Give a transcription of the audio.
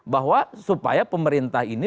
bahwa supaya pemerintah ini